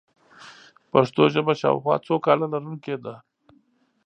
پښتو ژبه شاوخوا څو کاله لرونکې ده.